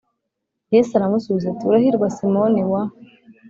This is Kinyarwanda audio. Yesu aramusubiza ati Urahirwa Simoni wa